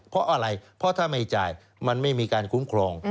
เพราะอะไรเพราะถ้าไม่จ่ายมันไม่มีการคุ้มครอง